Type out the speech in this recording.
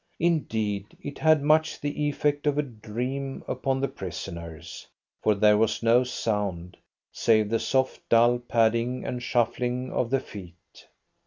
Indeed, it had much the effect of a dream upon the prisoners, for there was no sound, save the soft, dull padding and shuffling of the feet.